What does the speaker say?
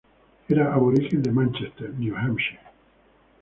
Era aborigen de Manchester, New Hampshire.